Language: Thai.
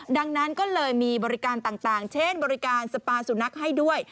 ดังนั้นก็เลยมีบริการต่างเช่นบริการสปาสุนัขให้ด้วย